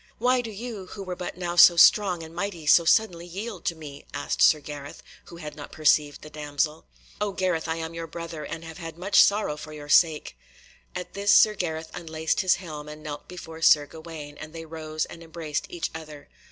"Why do you, who were but now so strong and mighty, so suddenly yield to me?" asked Sir Gareth, who had not perceived the damsel. "O Gareth, I am your brother, and have had much sorrow for your sake." At this Sir Gareth unlaced his helm and knelt before Sir Gawaine, and they rose and embraced each other.